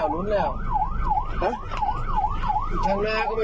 มันจะชนเขาเนี่ย